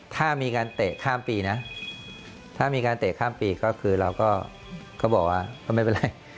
ถ้ามีการเตะข้ามปีนะถ้ามีการเตะข้ามปีก็คือเราก็บอกว่าก็ไม่เป็นไร